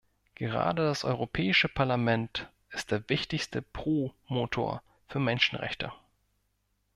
Gerade das Europäische Parlament ist der wichtigste Promotor für Menschenrechte.